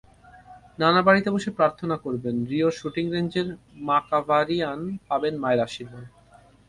নানা বাড়িতে বসে প্রার্থনা করবেন, রিওর শুটিং রেঞ্জেই মাকাভারিয়ান পাবেন মায়ের আশীর্বাদ।